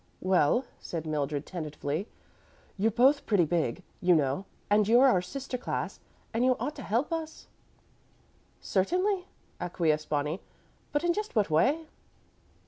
"Well," said Mildred, tentatively, "you're both pretty big, you know, and you're our sister class, and you ought to help us." "Certainly," acquiesced Bonnie; "but in just what way?"